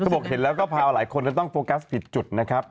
บอกเห็นแล้วก็พาหลายคนจะต้องโฟกัสผิดจุดนะครับ